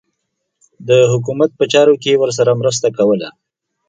د حکومت په چارو کې یې ورسره مرسته کوله.